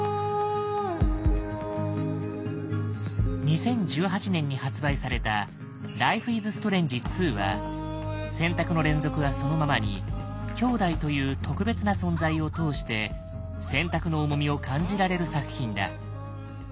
２０１８年に発売された「ライフイズストレンジ２」は選択の連続はそのままに兄弟という特別な存在を通して選択の重みを感じられる作品だ。